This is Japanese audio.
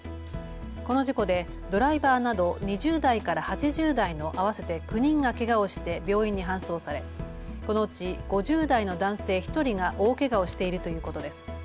この事故でドライバーなど２０代から８０代の合わせて９人がけがをして病院に搬送されこのうち５０代の男性１人が大けがをしているということです。